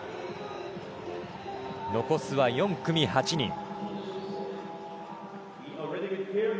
残すは４組、８人。